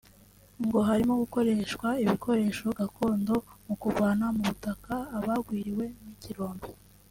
ngo harimo gukoreshwa ibikoresho gakondo mu kuvana mu butaka abagwiriwe n’ikirombe